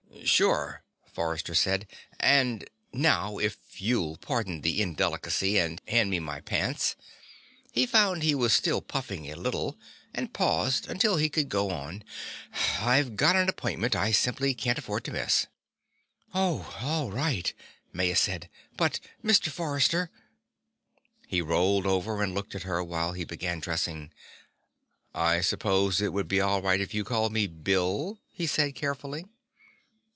"Sure," Forrester said. "And now if you'll pardon the indelicacy and hand me my pants " he found he was still puffing a little and paused until he could go on "I've got an appointment I simply can't afford to miss." "Oh, all right," Maya said. "But Mr. Forrester " He rolled over and looked at her while he began dressing. "I suppose it would be all right if you called me Bill," he said carefully.